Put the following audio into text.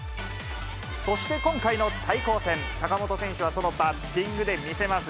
そして今回の対抗戦、坂本選手はそのバッティングで見せます。